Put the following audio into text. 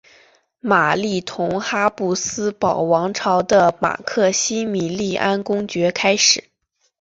玛丽同哈布斯堡王朝的马克西米利安公爵开始。